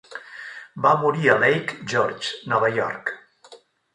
Va morir a Lake George, Nova York.